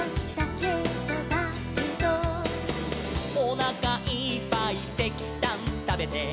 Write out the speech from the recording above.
「」「おなかいっぱいせきたんたべて」